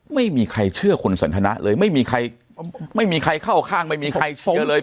ไม่มีใครเชื่อคุณสันทนะเลยไม่มีใครไม่มีใครเข้าข้างไม่มีใครเชื่อเลย